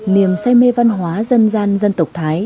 niềm say mê văn hóa dân gian dân tộc thái